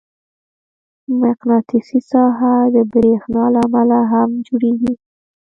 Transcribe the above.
مقناطیسي ساحه د برېښنا له امله هم جوړېږي.